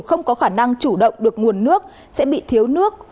không có khả năng chủ động được nguồn nước sẽ bị thiếu nước